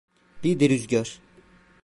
Bir de rüzgar.